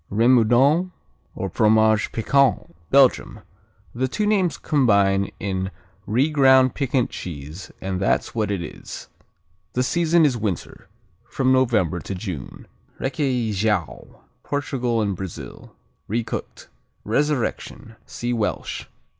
Remoudon, or Fromage Piquant Belgium The two names combine in re ground piquant cheese, and that's what it is. The season is winter, from November to June. Requeijão Portugal and Brazil Recooked. Resurrection see Welsh.